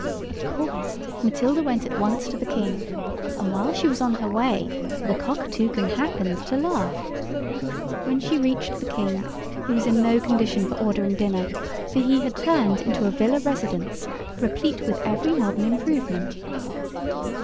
Of course, Matilda went at once to the King, and while she was on her way the Cockatoucan happened to laugh. When she reached the King, he was in no condition for ordering dinner, for he had turned into a villa residence, replete with every modern improvement.